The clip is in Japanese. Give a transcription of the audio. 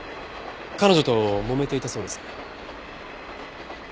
彼女ともめていたそうですね。